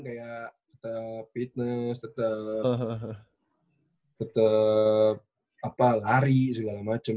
kayak tetep fitness tetep lari segala macem